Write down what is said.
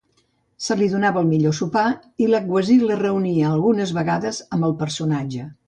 Se li donava el millor sopar i l'agutzil es reunia algunes vegades amb el personatge.